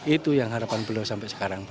itu yang harapan beliau sampai sekarang